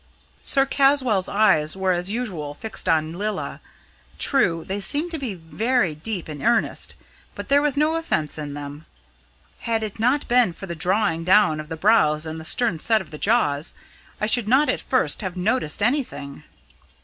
Mr. Caswall's eyes were as usual fixed on Lilla. True, they seemed to be very deep and earnest, but there was no offence in them. Had it not been for the drawing down of the brows and the stern set of the jaws, I should not at first have noticed anything.